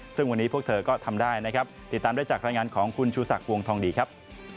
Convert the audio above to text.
ซึ่งวันนี้พวกเธอก็ทำได้นะครับติดตามได้จากรายงานของคุณชูศักดิ์วงทองดีครับ